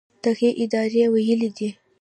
دغې ادارې ویلي دي